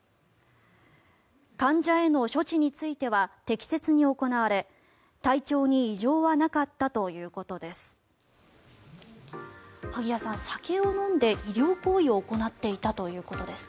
患者への処置については適切に行われ体調に異常はなかったということです。